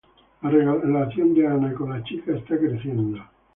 La relación de Hanna con las chicas está creciendo.